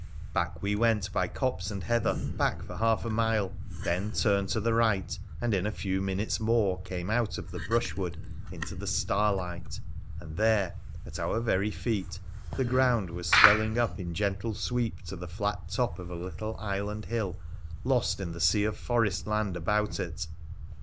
Back we went by copse and heather, back for half a mile, then turned to the right, and in a few minutes more came out of the brushwood into the star light, and there at our very feet the ground was swelling up in gentle sweep to the flat top of a little island hill lost in the sea of forest land about it.